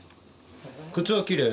靴はきれい？